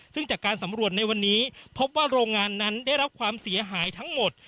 ซึ่งจากการสำรวจในวันนี้พบว่าโรงงานนั้นได้รับความเสียหายทั้งหมด